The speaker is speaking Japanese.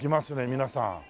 皆さん。